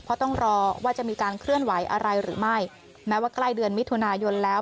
เพราะต้องรอว่าจะมีการเคลื่อนไหวอะไรหรือไม่แม้ว่าใกล้เดือนมิถุนายนแล้ว